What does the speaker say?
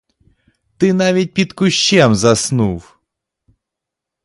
Ти навіть під кущем заснув!